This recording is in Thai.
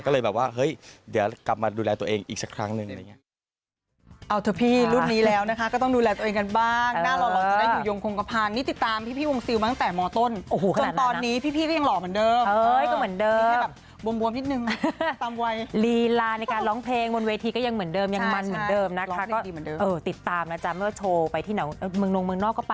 ก็เลยแบบว่าเฮ้ยเดี๋ยวกลับมาดูแลตัวเองอีกสักครั้งหนึ่งอะไรอย่างนี้